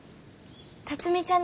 辰美ちゃん